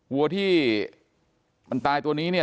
วัวที่มันตายตัวนี้เนี่ย